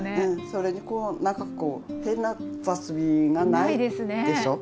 それにこうなんかこう変な雑味がないでしょ。